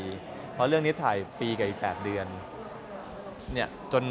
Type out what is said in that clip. เพราะเรื่องนี้ถ่ายปีกับอีก๘เดือน